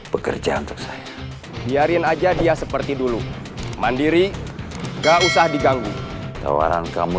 bekerja untuk saya biarin aja dia seperti dulu mandiri enggak usah diganggu tawaran kamu